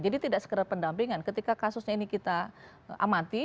jadi tidak sekedar pendampingan ketika kasusnya ini kita amati